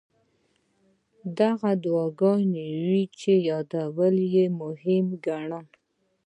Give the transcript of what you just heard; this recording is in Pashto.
دا هغه دعاګانې وې چې یادول یې مهم ګڼم.